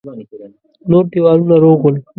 نور دېوالونه روغ ول.